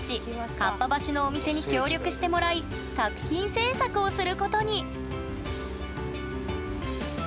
合羽橋のお店に協力してもらい作品制作をすることに！